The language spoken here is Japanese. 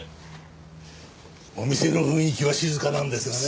お店の雰囲気は静かなんですがね。